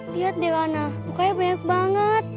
lihat deh lana bukanya banyak banget